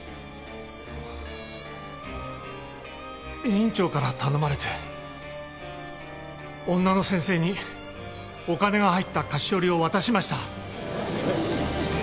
院長から頼まれて女の先生にお金が入った菓子折りを渡しました。